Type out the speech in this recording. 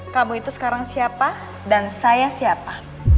kamu itu sekarang siapa dan saya siapa